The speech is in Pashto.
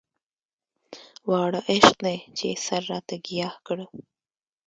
واړه عشق دی چې يې سر راته ګياه کړ.